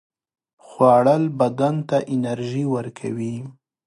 خوړل بدن ته انرژي ورکوي